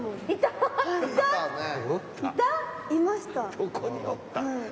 どこにおったん？